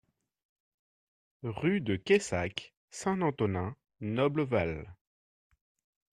Rue de Cayssac, Saint-Antonin-Noble-Val